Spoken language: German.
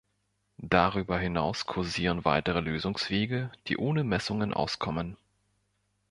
Darüber hinaus kursieren weitere Lösungswege, die ohne Messungen auskommen.